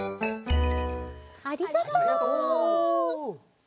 ありがとう！